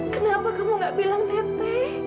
kenapa kamu gak bilang teteh